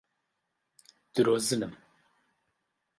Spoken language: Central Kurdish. درۆزنم.